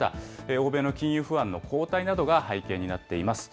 欧米の金融不安の後退などが背景になっています。